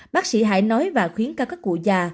bác sĩ hãy nói và khuyến cáo các cụ già